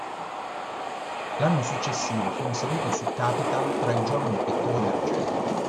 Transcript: L'anno successivo fu inserito su "Capital" tra i giovani pittori emergenti.